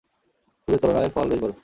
ফুলের তুলনায় ফল বেশ বড়।